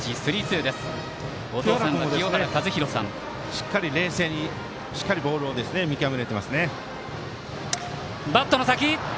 しっかり冷静にボールを見極めれてますね。